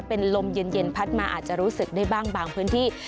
เป็นลมเย็นพัดมาอาจจะรู้สึกได้บ้างบางพื้นที่